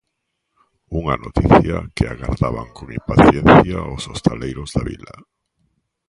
Unha noticia que agardaban con impaciencia os hostaleiros da vila.